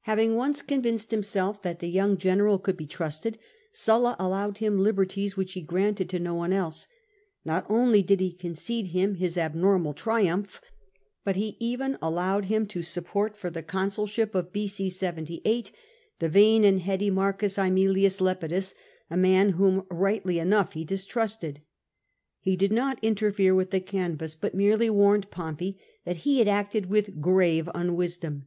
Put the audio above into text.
Having once convinced himself that the young general could be trusted, Sulla 'allowed him liberties which he granted to no one else ; not only did he concede him his abnormal triumph, but he even allowed him to support for the consulship of B.c. 78 the vain and heady M. Jimilius Lepidus, a man whom (rightly enough) he distrusted. Pie did not interfere with the canvass, but merely w^arned Pompey that he had acted with grave unwisdom.